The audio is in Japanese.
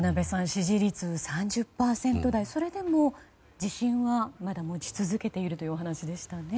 支持率３０％台それでも自信はまだ持ち続けているというお話でしたね。